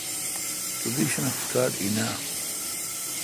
تو دی شناختی کارڈ این اؘ۔